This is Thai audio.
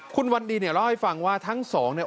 คุณวันดีเนี่ยเล่าให้ฟังว่าทั้งสองเนี่ย